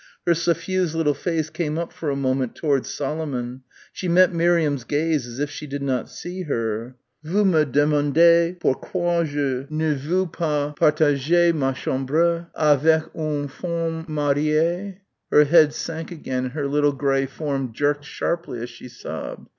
Her suffused little face came up for a moment towards Solomon. She met Miriam's gaze as if she did not see her. "Vous me demandez pourquoi je ne veux pas partager ma chambre avec une femme mariée?" Her head sank again and her little grey form jerked sharply as she sobbed.